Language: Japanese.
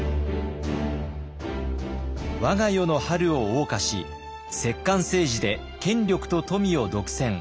我が世の春をおう歌し摂関政治で権力と富を独占。